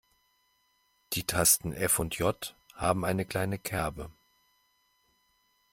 Die Tasten F und J haben eine kleine Kerbe.